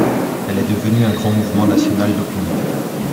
Elle est devenue un grand mouvement national d’opinion.